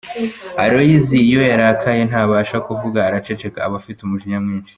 Aloys iyo yarakaye ntabasha kuvuga araceceka, aba afite umujinya mwinshi.